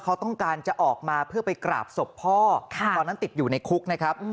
เขาต้องการจะออกมาเพื่อไปกราบศพพ่อตอนนั้นติดอยู่ในคุกนะครับ